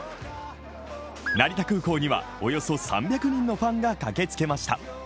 成田空港にはおよそ３００人のファンたちが駆けつけました。